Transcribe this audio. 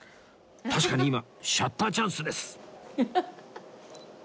確かに今シャッターチャンスです！